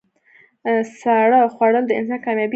ساړه خوړل د انسان کامیابي ده.